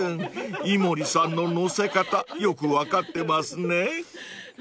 ［井森さんの乗せ方よく分かってますね］